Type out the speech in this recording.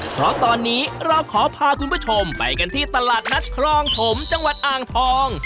เพราะตอนนี้เราขอพาคุณผู้ชมไปกันที่ตลาดนัดครองถมจังหวัดอ่างทอง